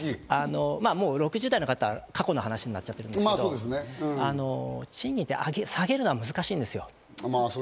まぁ６０代の方はもう過去の話になってますけど、賃金を下げるのは難しいんですよ。